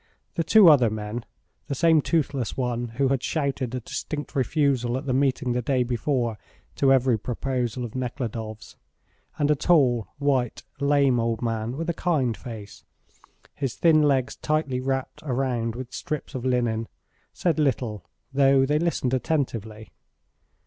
The two other old men, the same toothless one who had shouted a distinct refusal at the meeting the day before to every proposal of Nekhludoff's, and a tall, white lame old man with a kind face, his thin legs tightly wrapped round with strips of linen, said little, though they listened attentively.